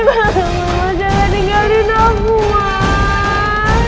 masa di mana bu jangan tinggalin aku mas